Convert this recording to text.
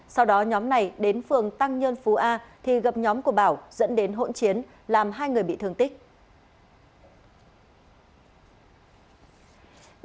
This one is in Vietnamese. sau đó nhóm này đến phường tăng nhân phú a thì gặp nhóm của bảo dẫn đến hỗn chiến làm hai người bị thương tích